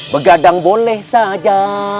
begadang boleh saja